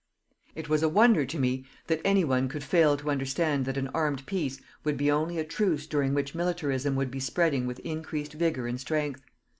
It was a wonder to me that any one could fail to understand that an armed peace would be only a truce during which militarism would be spreading with increased vigour and strength.